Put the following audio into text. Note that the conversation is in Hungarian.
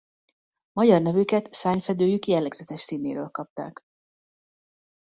Magyar nevüket szárnyfedőjük jellegzetes színéről kapták.